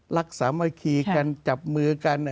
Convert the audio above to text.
สามัคคีกันจับมือกัน